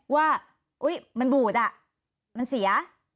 ว่ามันบูดอ่ะมันเสีย